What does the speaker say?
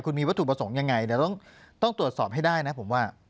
คุณมีวัตถุประสงค์ยังไงเดี๋ยวต้องตรวจสอบให้ได้นะผมว่า